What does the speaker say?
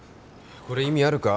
これ意味あるか？